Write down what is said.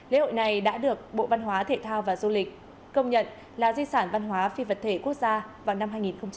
lễ hội này đã được bộ văn hóa thể thao và du lịch công nhận là di sản văn hóa phi vật thể quốc gia vào năm hai nghìn một mươi